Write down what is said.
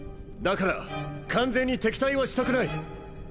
だから完全に敵対はしたくない。